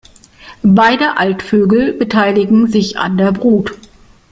Beide Altvögel beteiligen sich an der Brut.